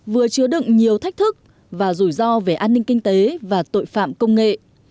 vừa chứa đựng nhiều thách thức và rủi ro về an ninh kinh tế và tội phạm công nghệ